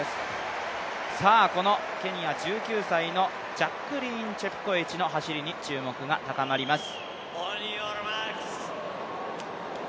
このケニア１９歳のジャックリーン・チェプコエチの走りに注目が高まります。